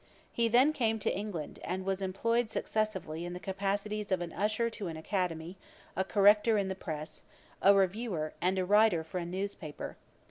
He then came to England, and was employed successively in the capacities of an usher to an academy, a corrector of the press, a reviewer, and a writer for a news paper.